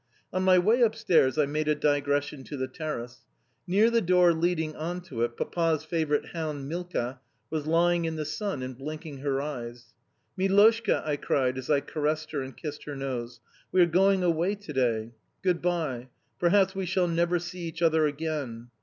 On my way upstairs I made a digression to the terrace. Near the door leading on to it Papa's favourite hound, Milka, was lying in the sun and blinking her eyes. "Miloshka," I cried as I caressed her and kissed her nose, "we are going away today. Good bye. Perhaps we shall never see each other again."